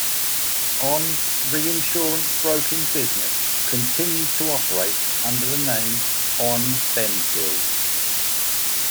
Aon's reinsurance broking business continues to operate under the name Aon Benfield.